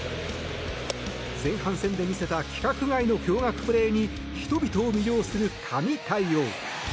前半戦で見せた規格外の驚愕プレーに人々を魅了する神対応。